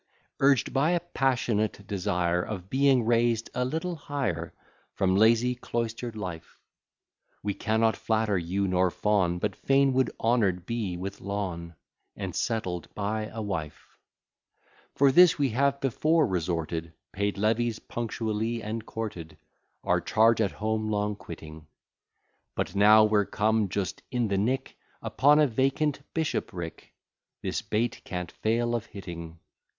Urged by a passionate desire Of being raised a little higher, From lazy cloister'd life; We cannot flatter you nor fawn, But fain would honour'd be with lawn, And settled by a wife. For this we have before resorted, Paid levees punctually, and courted, Our charge at home long quitting, But now we're come just in the nick, Upon a vacant bishopric, This bait can't fail of hitting.